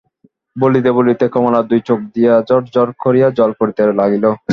বলিতে বলিতে কমলার দুই চোখ দিয়া ঝর্ ঝর্ করিয়া জল পড়িতে লাগিল।